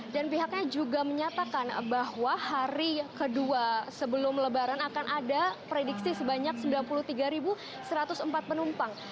dan pihaknya juga menyatakan bahwa hari kedua sebelum lebaran akan ada prediksi sebanyak sembilan puluh tiga satu ratus empat penumpang